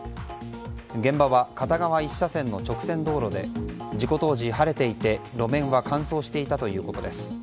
現場は片側１車線の直線道路で事故当時、晴れていて、路面は乾燥していたということです。